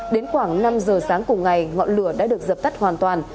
đến khoảng năm giờ sáng cùng ngày ngọn lửa đã được dập tắt hoàn toàn